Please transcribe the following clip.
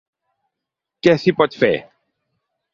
Què s’hi pot fer?